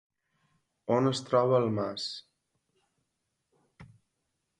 On es troba el mas?